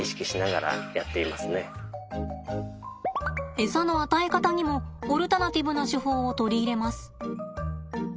エサの与え方にもオルタナティブな手法を取り入れます。